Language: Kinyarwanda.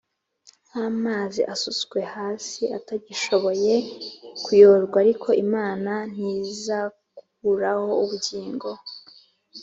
nk amazi asutswe hasi atagishoboye kuyorwa Ariko Imana ntizakuraho ubugingo